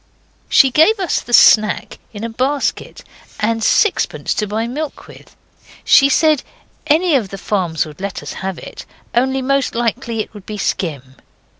She gave us the 'snack' in a basket, and sixpence to buy milk with. She said any of the farms would let us have it, only most likely it would be skim.